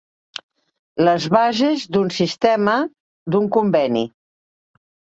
Les bases d'un sistema, d'un conveni.